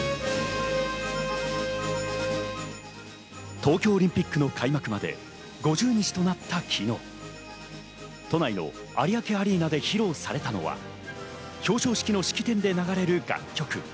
東京オリンピックの開幕まで５０日となった昨日、都内の有明アリーナで披露されたのは、表彰式の式典で流れる楽曲。